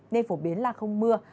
nên phổ biến là không mưa